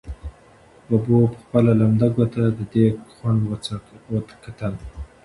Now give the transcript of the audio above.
ببو په خپله لمده ګوته د دېګ خوند وکتل.